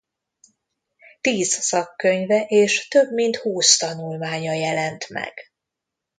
Tíz szakkönyve és több mint húsz tanulmánya jelent meg.